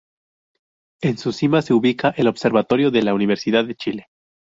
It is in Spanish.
En su cima se ubica el observatorio de la Universidad de Chile.